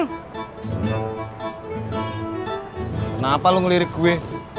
kenapa lo ngelirik gue